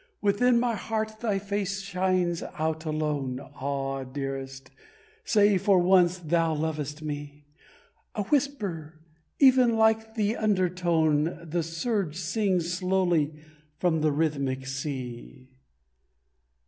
Within my heart thy face shines out alone, Ah, dearest! Say for once thou lovest me! A whisper, even, like the undertone The surge sings slowly from the rhythmic sea.